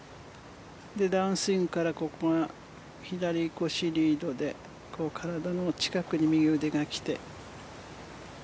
ダウンスイングからここは左腰リードで体の近くに右腕が来て。